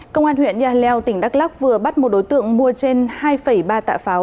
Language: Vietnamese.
công an huyện yà leo tỉnh đắk lắc vừa bắt một đối tượng mua trên hai ba tạ pháo